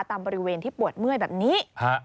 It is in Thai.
ตามบริเวณที่ปวดเมื่อยแบบนี้